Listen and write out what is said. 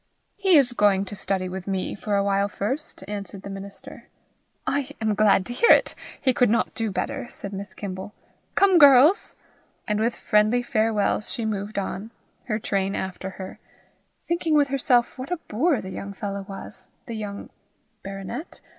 "He is going to study with me for a while first," answered the minister. "I am glad to hear it. He could not do better," said Miss Kimble. "Come, girls." And with friendly farewells, she moved on, her train after her, thinking with herself what a boor the young fellow was the young baronet?